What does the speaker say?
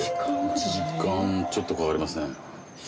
１時間ちょっとかかりますね。